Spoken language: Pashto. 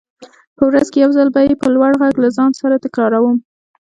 په ورځ کې يو ځل به يې په لوړ غږ له ځان سره تکراروم.